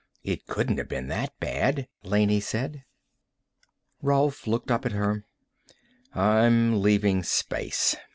"It couldn't have been that bad," Laney said. Rolf looked up at her. "I'm leaving space.